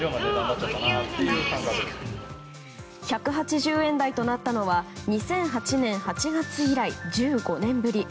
１８０円台となったのは２００８年８月以来１５年ぶり。